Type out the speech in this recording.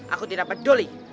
aku tidak peduli